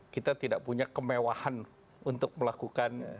kita tidak punya kemewahan untuk melakukan